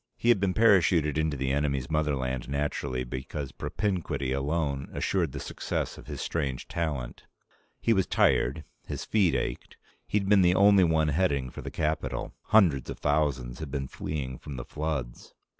He had been parachuted into the enemy's motherland, naturally, because propinquity alone assured the success of his strange talent. He was tired. His feet ached. He'd been the only one heading for the capital. Hundreds of thousands had been fleeing from the floods